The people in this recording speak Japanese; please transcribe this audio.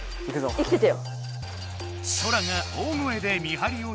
生きててよ！